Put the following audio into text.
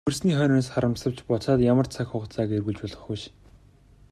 Өнгөрсний хойноос харамсавч буцаад ямар цаг хугацааг эргүүлж болох биш.